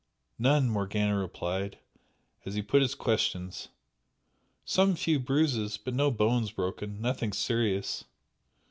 "None" Morgana replied, as he put his questions "Some few bruises but no bones broken nothing serious."